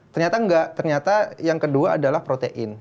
ternyata enggak ternyata yang kedua adalah protein